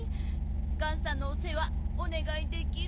ガンさんのおせわおねがいできる？